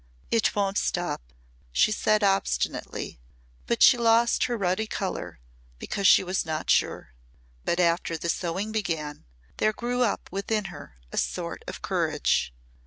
"It won't stop," she said obstinately, but she lost her ruddy colour because she was not sure. But after the sewing began there grew up within her a sort of courage.